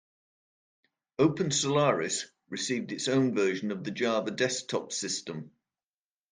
OpenSolaris received its own version of the Java Desktop System.